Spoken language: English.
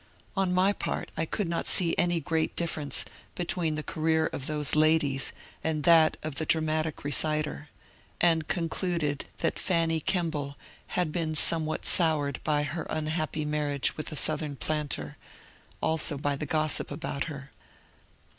On my part, I could not see any great difference between the career of those ladies and that of the dramatic reciter, and concluded that Fanny Kemble had been somewhat soured by her unhappy marriage with a Southern planter, also by the gossip about her.